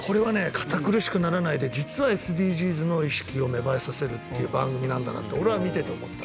堅苦しくならないで実はＳＤＧｓの意識を芽生えさせるっていう番組なんだなって俺は見てて思った。